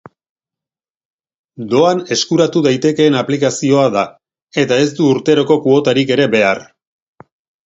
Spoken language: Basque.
Doan eskuratu daitekeen aplikazioa da, eta ez du urteko kuotarik ere behar.